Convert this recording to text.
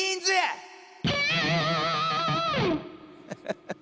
ハハハ。